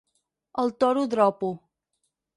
El toro dropo...